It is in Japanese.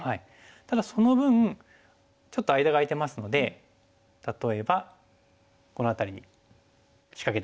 ただその分ちょっと間が空いてますので例えばこの辺りに仕掛けてきたりとか。